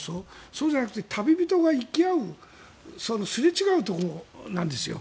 そうじゃなくて旅人が行き合うすれ違うところなんですよ。